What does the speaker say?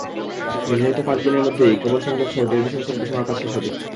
নির্ধারিত পাঁচ দিনের মধ্যেই কেব্ল সংযোগসহ টেলিভিশন সেট বসানোর কাজ শেষ হবে।